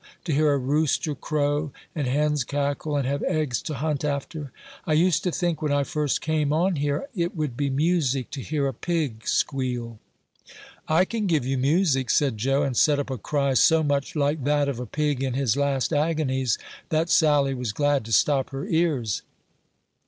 to hear a rooster crow, and hens cackle, and have eggs to hunt after! I used to think, when I first came on here, it would be music to hear a pig squeal." "I can give you music," said Joe, and set up a cry so much like that of a pig in his last agonies, that Sally was glad to stop her ears.